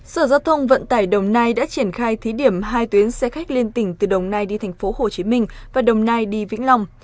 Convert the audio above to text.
sở giao thông vận tải đồng nai đã triển khai thí điểm hai tuyến xe khách liên tỉnh từ đồng nai đi tp hcm và đồng nai đi vĩnh long